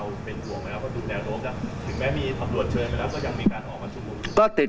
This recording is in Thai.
หรือถึงแม้มีตำรวจเชิญไปแล้วก็ยังมีการออกมาชุดพูด